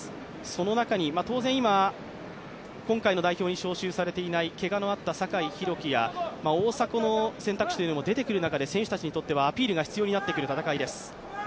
その中に当然、今、今回の代表に招集されていないけがのあった酒井宏樹や大迫の選択肢というのも出てくる中で選手たちにとってはアピールが必要になってくる戦いです。